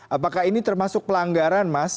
apakah ini termasuk pelanggaran mas